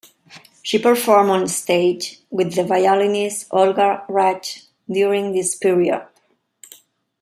She performed on stage with the violinist Olga Rudge during this period.